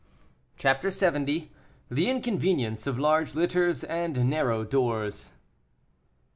CHAPTER LXX. THE INCONVENIENCE OF LARGE LITTERS AND NARROW DOORS.